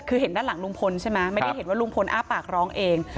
คือเห็นด้านหลังลุงพลใช่ไหมไม่ได้เห็นว่าลุงพลอ้าปากร้องเอง